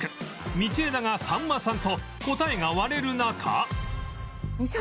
道枝がさんまさんと答えが割れる中